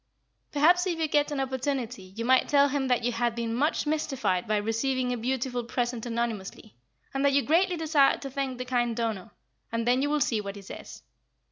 "Perhaps if you get an opportunity you might tell him that you had been much mystified by receiving a beautiful present anonymously, and that you greatly desired to thank the kind donor, and then you will see what he says.